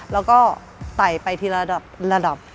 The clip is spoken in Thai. แล้วก็ไต่ไปทีละระดับ